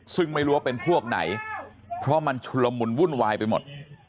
ซึ่งไม่รู้ว่าเป็นพวกไหนเพราะมันชุลมุนวุ่นวายไปหมด